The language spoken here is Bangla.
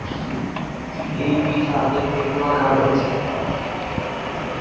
এই পিঠা দেখতে গোলাকার ও চ্যাপ্টা।